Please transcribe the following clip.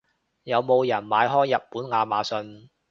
有冇人買開日本亞馬遜？